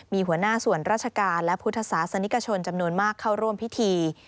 มีหัวหน้าส่วนราชการและพุทธศาสนิกชนจำนวนมากเข้าร่วมพิธี